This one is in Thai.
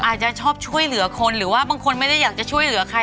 อาจจะชอบช่วยเหลือคนหรือว่าบางคนไม่ได้อยากจะช่วยเหลือใคร